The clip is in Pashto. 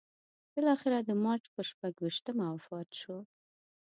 بالاخره د مارچ پر شپږویشتمه وفات شو.